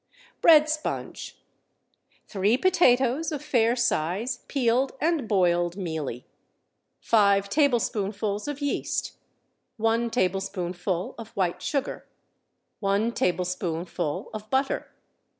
Bread Sponge. Three potatoes of fair size, peeled and boiled mealy. Five tablespoonfuls of yeast. One tablespoonful of white sugar. One tablespoonful of butter.